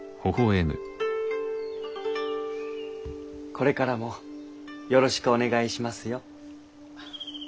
これからもよろしくお願いしますよ。